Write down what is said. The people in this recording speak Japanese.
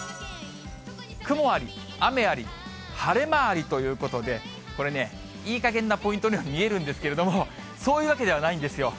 雲あり、雨あり、晴れ間ありということで、これね、いいかげんなポイントに見えるんですけれども、そういうわけではないんですよ。